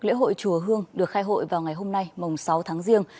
lễ hội chùa hương được khai hội vào ngày hôm nay mồng sáu tháng riêng